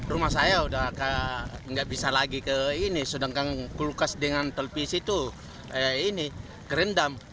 rumah saya sudah tidak bisa lagi ke ini sedangkan kulkas dengan telpisi itu kerendam